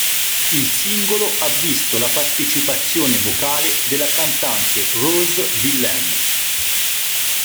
Il singolo ha visto la partecipazione vocale della cantante Rose Villain.